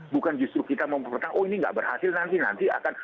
bukan justru kita mempertahankan oh ini nggak berhasil nanti nanti akan